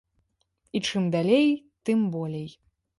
І чым далей, тым болей.